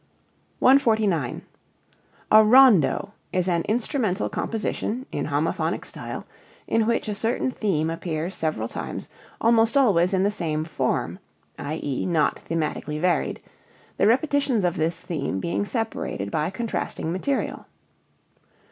149. A rondo is an instrumental composition (in homophonic style) in which a certain theme appears several times almost always in the same form (i.e., not thematically varied), the repetitions of this theme being separated by contrasting material.